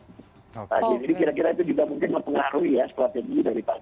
jadi kira kira itu juga mungkin mempengaruhi ya strategi dari pak